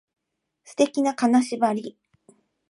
素敵な金縛り